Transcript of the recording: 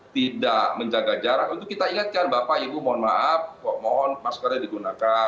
tidak menjaga jarak untuk kita ingatkan bapak ibu mohon maaf mohon maskernya digunakan